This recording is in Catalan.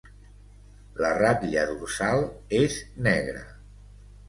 La ratlla dorsal és negra.